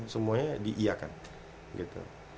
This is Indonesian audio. semuanya di iakan gitu